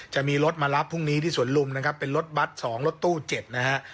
จะมีรถมารับพรุ่งนี้ที่สวนลุมนะครับเป็นรถบัตร๒รถตู้๗นะฮะ